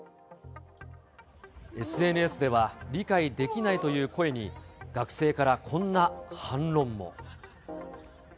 ＳＮＳでは、理解できないという声に学生からこんな反論も。